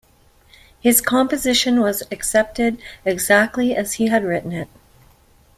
His composition was accepted exactly as he had written it.